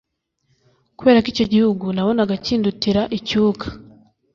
kubera ko icyo gihugu nabonaga kindutira icyuka